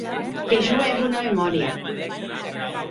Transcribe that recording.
Que jo è bona memòria.